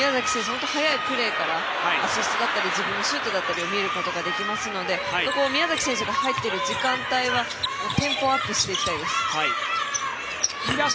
本当に早い段階からアシストだったり自分のシュートをやることができるので宮崎選手が入っている時間帯はテンポアップしていきたいです。